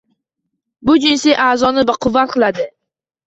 Bu jinsiy a'zoni baquvvat qiladi.